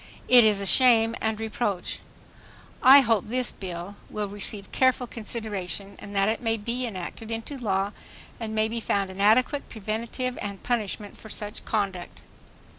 It is a shame and reproach. "I hope this bill ... will receive careful consideration and that it may be enacted into law and may be found an adequate preventive and punishment for such conduct."